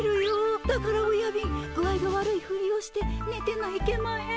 だからおやびん具合が悪いふりをしてねてないけまへん。